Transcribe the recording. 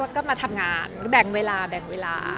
ก็มาทำงานแบ่งเวลาแบ่งเวลา